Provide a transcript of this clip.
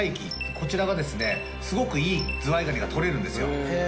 こちらがすごくいいずわいがにが取れるんですよ。